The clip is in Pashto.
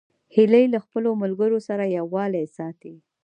هیلۍ له خپلو ملګرو سره یووالی ساتي